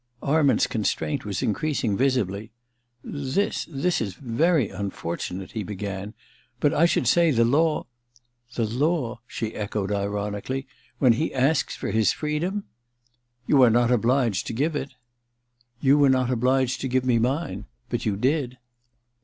Arment*s constraint was increasing visibly. *This — this is very imfortunate,' he began. * But I should say the law * *The law?' she echoed ironically. *When he asks for his freedom ?'* You are not obliged to give it.' * You were not obliged to give me mine — but you did.